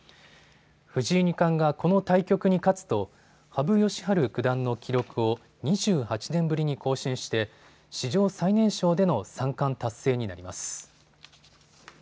藤井二冠がこの対局に勝つと羽生善治九段の記録を２８年ぶりに更新して史上最年少での三冠達成になります。